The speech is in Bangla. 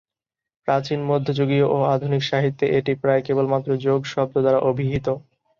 প্রাচীন, মধ্যযুগীয় ও আধুনিক সাহিত্যে এটি প্ৰায় কেবলমাত্র 'যোগ' শব্দ দ্বারা অভিহিত।